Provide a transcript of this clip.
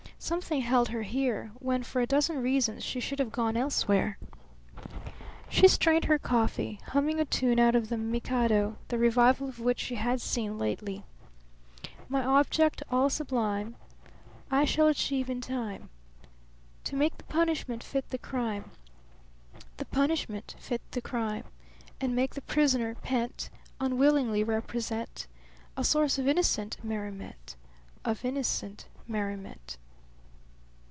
Something held her here, when for a dozen reasons she should have gone elsewhere. She strained the coffee, humming a tune out of The Mikado, the revival of which she had seen lately: My object all sublime I shall achieve in time To make the punishment fit the crime. The punishment fit the crime. And make the prisoner pent Unwillingly represent A source of innocent merriment. Of innocent merriment!